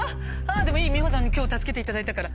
でもいい美穂さんに今日助けていただいたから。